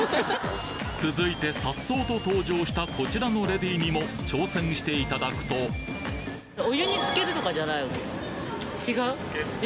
続いて颯爽と登場したこちらのレディにも挑戦していただくと・え！？